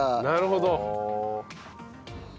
なるほど。